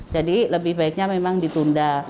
jadi lebih baiknya memang ditunda